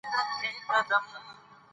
لیکوالان د ټولنې ږغ دي.